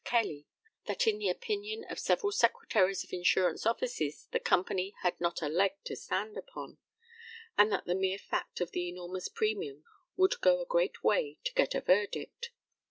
Kelly, that in the opinion of several secretaries of insurance offices the company had not a leg to stand upon, and that the mere fact of the enormous premium would go a great way to get a verdict.